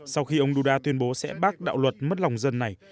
sau khi ông duda tuyên bố sẽ bác đạo luật mất lòng dân này